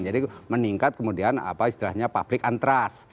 jadi meningkat kemudian apa istilahnya public antras